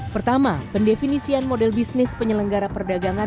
pertama pendefinisian model bisnis penyelenggara perdagangan